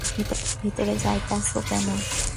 ভেতরে যাইতাছো কেনো?